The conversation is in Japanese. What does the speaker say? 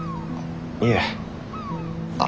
いえあっ